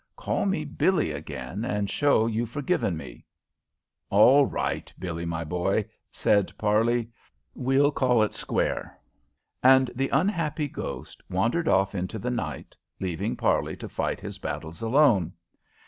Call me Billie again, and show you've forgiven me." "All right, Billie, my boy," said Parley. "We'll call it square." And the unhappy ghost wandered off into the night, leaving Parley to fight his battles alone.